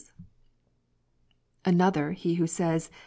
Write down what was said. Another he who says.